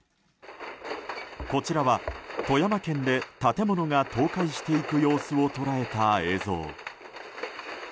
こちらは富山県で、建物が倒壊していく様子を捉えた映像。